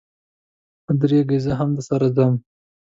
و درېږئ، زه هم درسره ځم.